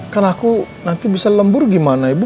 kan aku nanti bisa lembur gimana ibu